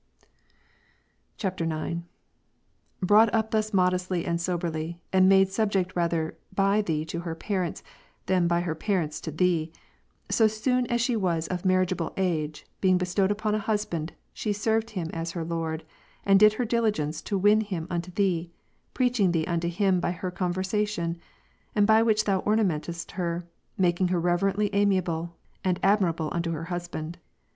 [IX.] 19. Brought up thus modestly and soberly, and made subject rather by Thee to her parents, than by her parents to Thee, so soon as she was of marriageable age, being bestowed upon a husband, she served him as her lord ; and did her diligence to win him unto Thee, preaching Thee unto him by her conversation ; by which Thou ornamentedst her, making herreverently amiable, andadmirableunto her husband.